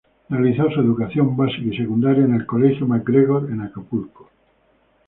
Realizó su educación básica y secundaria en el Colegio MacGregor, en Acapulco.